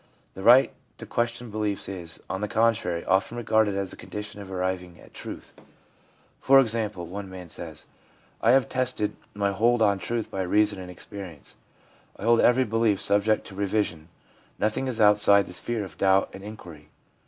The right to question beliefs is, on the contrary, often regarded as the condition of arriving at truth ; for example, one man says :' I have tested my hold on truth by reason and experience. I hold every belief subject to revision; nothing is outside the sphere of doubt and inquiry.